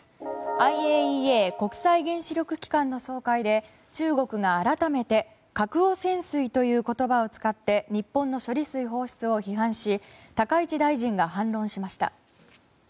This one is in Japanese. ＩＡＥＡ・国際原子力機関の総会で中国が改めて核汚染水という言葉を使って日本の処理水放出を批判し高市大臣が反論しました。